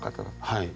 はい。